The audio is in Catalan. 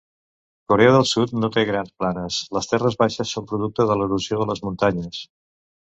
Corea del Sud no té grans planes; les terres baixes són producte de l'erosió de les muntanyes.